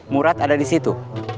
murad ada disitu